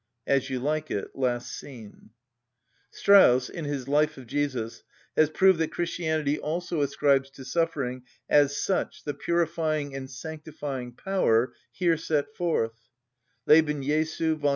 —As You Like it, last scene. Strauss, in his "Life of Jesus," has proved that Christianity also ascribes to suffering as such the purifying and sanctifying power here set forth (Leben Jesu, vol.